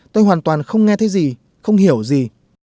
tôi hoàn toàn không nghe thấy gì không hiểu gì